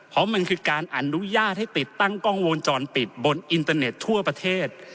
เพราะมันคือการอนุญาตให้ติดตั้งกล้องวงจรปิดบนอินเตอร์เน็ตทั่วประเทศ